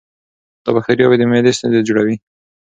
دا بکتریاوې د معدې ستونزې جوړوي.